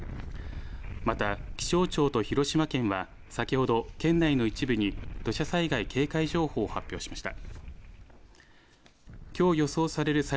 また、気象庁と広島県は先ほど県内の一部に土砂災害警戒情報を発表しました。